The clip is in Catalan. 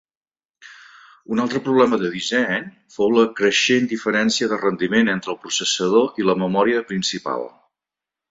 Un altre problema de disseny fou la creixent diferència de rendiment entre el processador i la memòria principal.